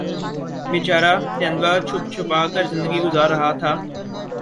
بیچارہ تیندوا چھپ چھپا کر زندگی گزار رہا تھا